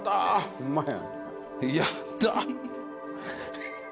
ホンマや。